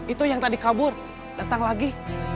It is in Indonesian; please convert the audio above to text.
itu yang tadi kabur datang lagi